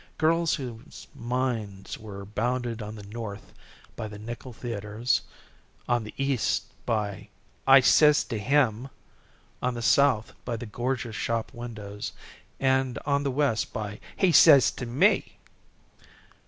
Girls whose minds were bounded on the north by the nickel theatres; on the east by "I sez to him"; on the south by the gorgeous shop windows; and on the west by "He sez t' me."